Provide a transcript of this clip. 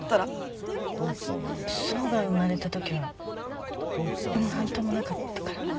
想が生まれたときは何ともなかったから。